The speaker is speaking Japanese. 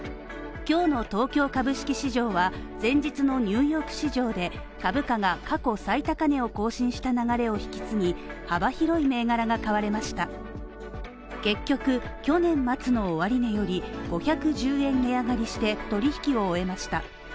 今日の東京株式市場は前日のニューヨーク市場で株価が過去最高値を更新した流れを引き継ぎ、幅広い銘柄が買われました結局去年末の終値より５１０円値上がりして取引を終えました。